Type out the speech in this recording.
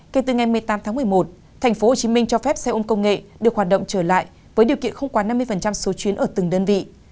kể từ ngày một mươi tám tháng một mươi một tp hcm cho phép xe ôm công nghệ được hoạt động trở lại với điều kiện không quá năm mươi số chuyến ở từng đơn vị